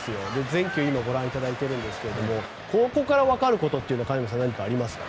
全球、今ご覧いただいているんですがここからわかることは金村さんありますか？